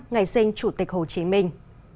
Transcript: ngày sinh chủ tịch hồ chí minh